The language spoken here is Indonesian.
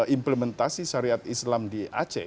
implementasi syariat islam di aceh